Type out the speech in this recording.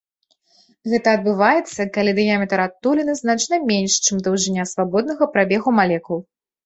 Гэта адбываецца, калі дыяметр адтуліны значна менш, чым даўжыня свабоднага прабегу малекул.